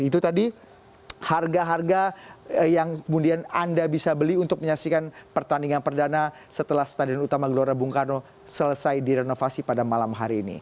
itu tadi harga harga yang kemudian anda bisa beli untuk menyaksikan pertandingan perdana setelah stadion utama gelora bung karno selesai direnovasi pada malam hari ini